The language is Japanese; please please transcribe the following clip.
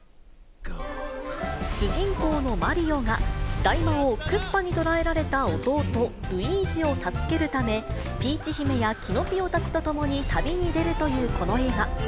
主人公のマリオが、大魔王、クッパに捕えられた弟、ルイージを助けるため、ピーチ姫やキノピオたちと共に旅に出るというこの映画。